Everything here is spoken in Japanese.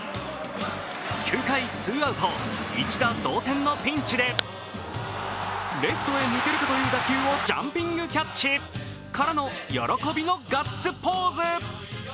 ９回ツーアウト、一打同点のピンチでレフトへ抜けるかという打球をジャンピングキャッチ！からの喜びのガッツポーズ。